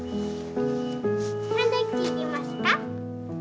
サンドイッチいりますか？